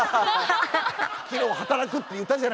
「昨日働くって言ったじゃないですか。